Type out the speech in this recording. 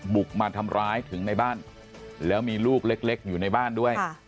บุกมาทำร้ายถึงในบ้านแล้วมีลูกเล็กอยู่ในบ้านด้วย